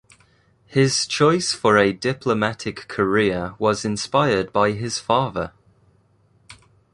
His choice for a diplomatic career was inspired by his father.